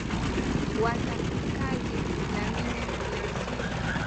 Watakaje na mimi leo hii?